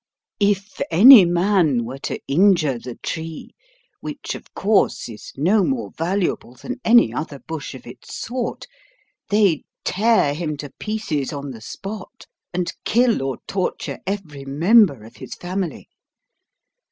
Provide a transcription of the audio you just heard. If any man were to injure the tree, which of course is no more valuable than any other bush of its sort, they'd tear him to pieces on the spot, and kill or torture every member of his family.